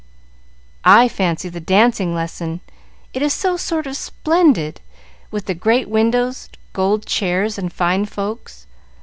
"I fancy 'The Dancing Lesson;' it is so sort of splendid, with the great windows, gold chairs, and fine folks.